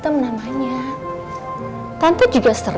kamu jari maksudnya apa ada corner